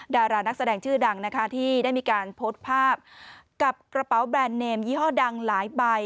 ดารานักแสดงชื่อดังนะคะที่ได้มีการโพสต์ภาพกับกระเป๋าแบรนด์เนมยี่ห้อดังหลายใบ